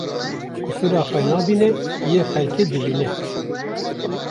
Qisura xwe nabîne yê xelkê dibîne